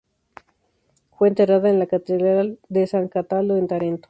Fue enterrada en la catedral de San Cataldo en Tarento.